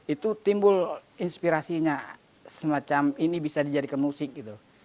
itu timbul inspirasinya semacam ini bisa dijadikan musik gitu